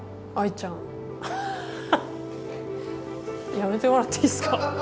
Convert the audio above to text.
やめてもらっていいっすか。